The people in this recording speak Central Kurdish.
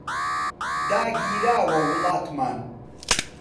داگیراوە وڵاتمان